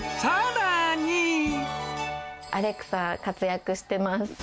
アレクサ、活躍してます。